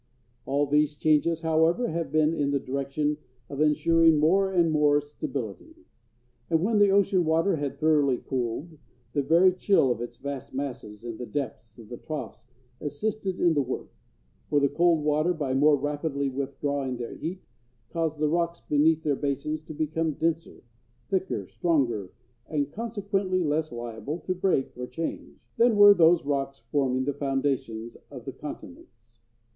] All these changes, however, have been in the direction of insuring more and more stability; and when the ocean water had thoroughly cooled, the very chill of its vast masses in the depths of the troughs assisted in the work, for the cold water, by more rapidly withdrawing their heat, caused the rocks beneath their basins to become denser, thicker, stronger, and consequently less liable to break or change, than were those rocks forming the foundations of the continents.